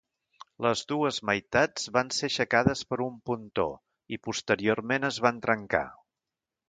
Les dues meitats van ser aixecades per un pontó i posteriorment es van trencar.